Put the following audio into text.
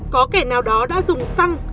có kẻ nào đó đã dùng xăng